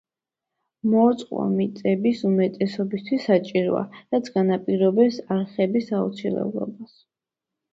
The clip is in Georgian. მორწყვა მიწების უმეტესობისთვის საჭიროა, რაც განაპირობებს არხების აუცილებლობას.